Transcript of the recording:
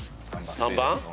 ３番？